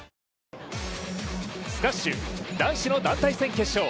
スカッシュ男子の団体戦決勝。